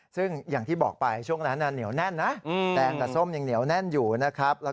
ซึ่งอย่างที่บอกไปช่วงนั้นเหนียวแน่นนะแดงกับส้มยังเหนียวแน่นอยู่นะครับ